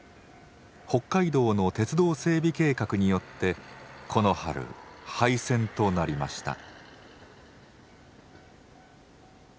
北海道の鉄道整備計画によってこの春廃線となりました。